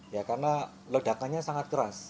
ya karena ledakannya sangat keras